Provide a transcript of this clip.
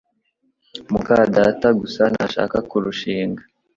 muka data gusa ntashaka kurushinga